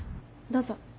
どうぞ。